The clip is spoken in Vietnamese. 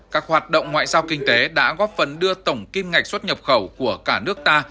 các hoạt động ngoại giao kinh tế đã góp phần đưa tổng kim ngạch xuất nhập khẩu của cả nước ta